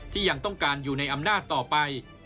ยังต้องการอยู่ในอำนาจต่อไป